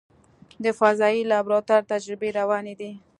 د فضایي لابراتوار تجربې روانې دي.